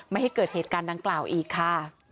ไม่ให้เกิดเหตุการณ์ดังกล่าวอีกค่ะ